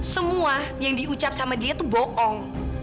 semua yang diucap sama dia itu bohong